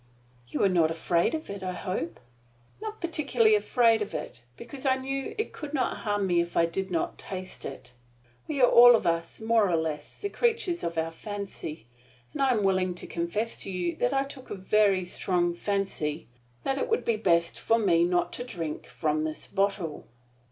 "You were not afraid of it, I hope." "Not particularly afraid of it, because I knew it could not harm me if I did not taste it. We are all of us, more or less, the creatures of our fancy; and I am willing to confess to you that I took a very strong fancy that it would be best for me not to drink from this bottle."